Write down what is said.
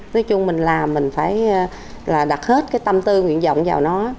nói chung mình là mình phải là đặt hết cái tâm tư nguyện vọng vào nó